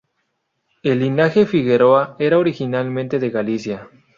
El linaje Figueroa era originalmente de Galicia.